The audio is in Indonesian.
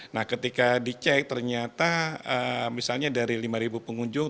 nah ketika dicek ternyata misalnya dari lima pengunjung